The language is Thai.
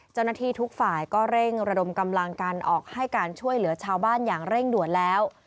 เจ้าหน้าที่ทุกฝ่ายก็เร่งระดมกำลังกันออกให้การช่วยเหลือชาวบ้านอย่างเร่งด่วนแล้ว